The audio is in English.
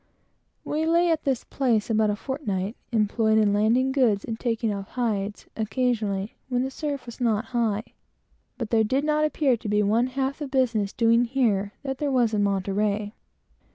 We lay here about a fortnight, employed in landing goods and taking off hides, occasionally, when the surf was not high; but there did not appear to be one half the business doing here that there was in Monterey.